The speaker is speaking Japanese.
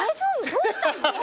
どうしたの？